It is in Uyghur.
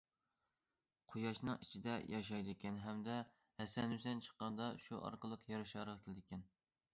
قۇياشنىڭ ئىچىدە ياشايدىكەن ھەمدە ھەسەن- ھۈسەن چىققاندا شۇ ئارقىلىق يەر شارىغا كېلىدىكەن.